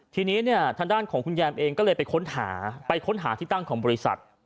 ทีนี้ทางด้านของแยมค์เอ็งก็เลยไปค้นหาที่ตั้งของบริษัท